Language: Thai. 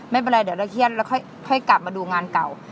ไม่เป็นไรเดี๋ยวเราเครียดแล้วค่อยกลับมาดูงานเก่า